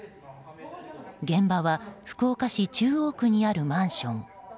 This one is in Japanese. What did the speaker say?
現場は福岡市中央区にあるマンション。